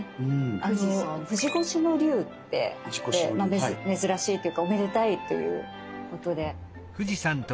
富士越しの龍ってあって珍しいっていうかおめでたいということで。